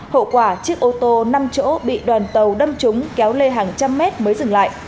hậu quả chiếc ô tô năm chỗ bị đoàn tàu đâm trúng kéo lê hàng trăm mét mới dừng lại